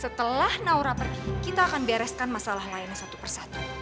setelah naura pergi kita akan bereskan masalah lainnya satu persatu